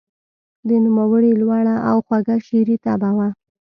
د نوموړي لوړه او خوږه شعري طبعه وه.